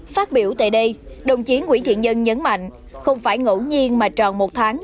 phát biểu tại đây đồng chí nguyễn thiện nhân nhấn mạnh không phải ngẫu nhiên mà tròn một tháng